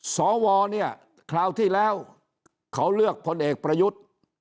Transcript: สวเนี่ยคราวที่แล้วเขาเลือกพลเอกประยุทธ์